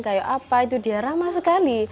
kayak apa itu dia ramah sekali